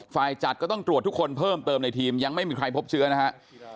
ฝ่ายจัดก็ต้องตรวจทุกคนเพิ่มเติมในทีมยังไม่มีใครพบเชื้อนะครับ